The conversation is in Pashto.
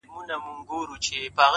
o چي دولت لرې ښاغلی یې هرچا ته,